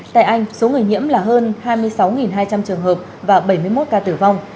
tại anh số người nhiễm là hơn hai mươi sáu hai trăm linh trường hợp và bảy mươi một ca tử vong